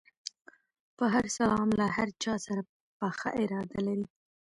په هر سلام له هر چا سره پخه اراده لري.